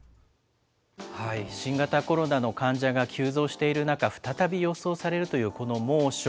新型コロナの患者が急増している中、再び予想されるというこの猛暑。